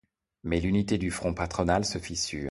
Mais l’unité du front patronal se fissure.